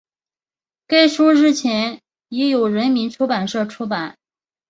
该书日前已由人民出版社出版